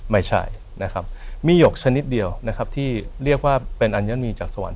ไม่ใช่นะครับมีหยกชนิดเดียวนะครับที่เรียกว่าเป็นอัญนีจากสวรร